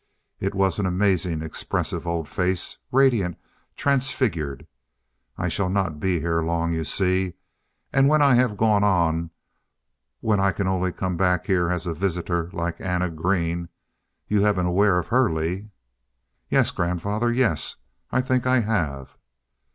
It was an amazingly expressive old face, radiant, transfigured. "I shall not be here long. You see? And when I have gone on when I can only come back here as a Visitor like Anna Green, you have been aware of her, Lee?" "Yes, grandfather. Yes, I think I have."